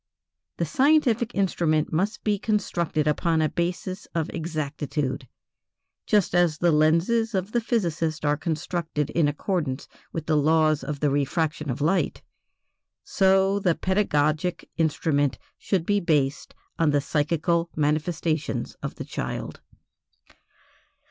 The scientific instrument must be constructed upon a basis of exactitude. Just as the lenses of the physicist are constructed in accordance with the laws of the refraction of light, so the pedagogic instrument should be based on the psychical manifestations of the child.